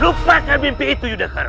lupakan mimpi itu yudhakara